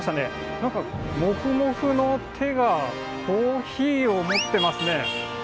なんか、もふもふの手がコーヒーを持ってますね。